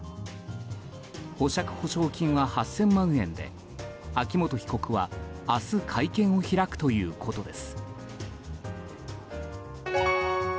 保釈保証金は８０００万円で秋元被告は明日会見を開くということです。